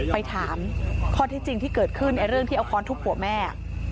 ไปถามข้อที่จริงที่เกิดขึ้นในเรื่องที่เอาค้อนทุบหัวแม่